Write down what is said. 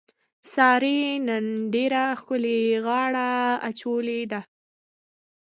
سارې نن ډېره ښکلې غاړه اچولې ده.